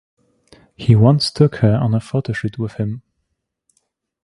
He once took her on a photoshoot with him.